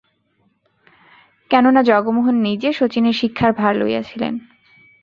কেননা, জগমোহন নিজে শচীশের শিক্ষার ভার লইয়াছিলেন।